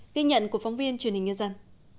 đi nhận của phóng viên truyền hình nhân dân